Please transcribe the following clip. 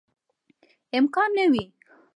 امکان نه وي.